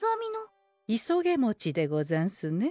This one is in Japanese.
いそげもちでござんすね。